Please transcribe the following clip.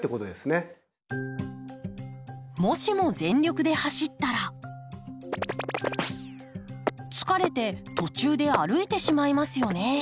もしも全力で走ったら疲れて途中で歩いてしまいますよね。